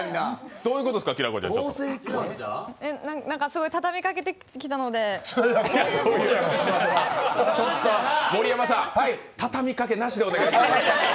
どういうことですか、きらこちゃんなんかすごい畳みかけてきたので盛山さん、たたみかけなしでお願いします。